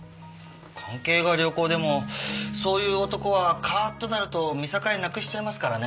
関係が良好でもそういう男はカッとなると見境なくしちゃいますからね。